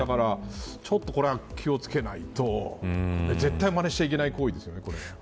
これは気を付けないと絶対、まねしてはいけない行為です。